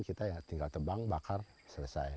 kita ya tinggal tebang bakar selesai